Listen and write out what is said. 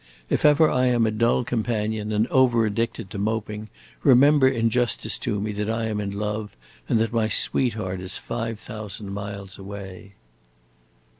If ever I am a dull companion and over addicted to moping, remember in justice to me that I am in love and that my sweetheart is five thousand miles away."